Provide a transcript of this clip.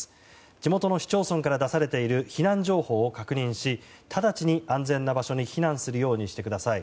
地元の市町村から出されている避難情報を確認し直ちに安全な場所に避難するようにしてください。